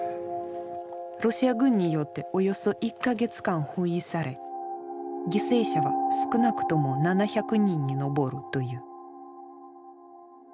ロシア軍によっておよそ１か月間包囲され犠牲者は少なくとも７００人に上るという。